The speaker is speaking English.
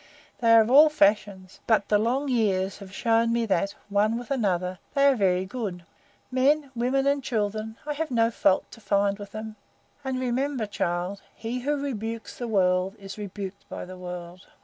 They are of all fashions, but the long years have shown me that, one with another, they are very good. Men, women, and children I have no fault to find with them. And remember, child, he who rebukes the World is rebuked by the World."